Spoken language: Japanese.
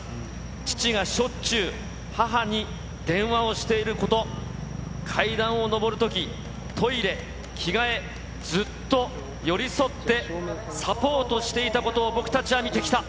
父がしょっちゅう、母に電話をしていること、階段を上るとき、トイレ、着替え、ずっと寄り添ってサポートしていたことを、僕たちは見てきた。